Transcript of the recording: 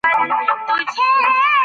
زه به تر یو ساعت پورې خپل منزل ته ورسېږم.